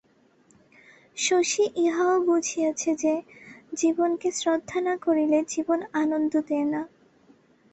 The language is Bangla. শশী ইহাও বুঝিয়াছে যে, জীবনকে শ্রদ্ধা না করিলে জীবন আনন্দ দেয় না।